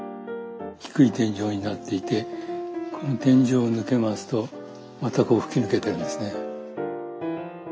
低い天井になっていてこの天井を抜けますとまたこう吹き抜けてるんですね。